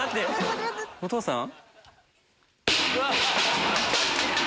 お父さん？